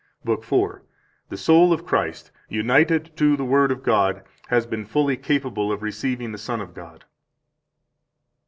169 Lib. 4: "The soul of Christ, united to the Word of God, has been fully capable of receiving the Son of God."